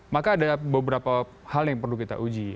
maka ada beberapa hal yang perlu kita uji